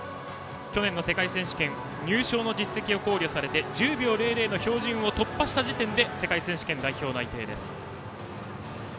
去年の世界選手権入賞の実績を考慮されて１０秒００の標準を突破した時点で世界選手権代表内定です。